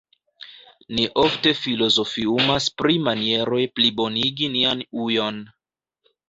Ni ofte filozofiumas pri manieroj plibonigi nian ujon.